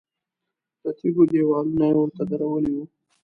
د تیږو دیوالونه یې ورته درولي وو.